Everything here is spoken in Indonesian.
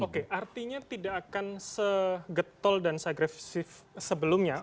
oke artinya tidak akan segetol dan seagresif sebelumnya